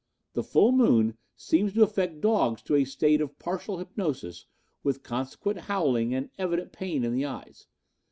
The full moon seems to affect dogs to a state of partial hypnosis with consequent howling and evident pain in the eyes.